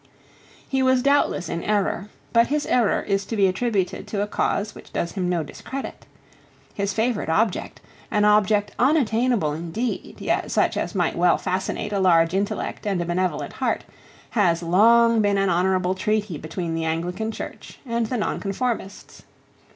He was doubtless in error: but his error is to be attributed to a cause which does him no discredit. His favourite object, an object unattainable indeed, yet such as might well fascinate a large intellect and a benevolent heart, had long been an honourable treaty between the Anglican Church and the Nonconformists.